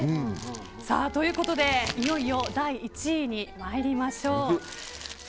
ということで、いよいよ第１位に参りましょう。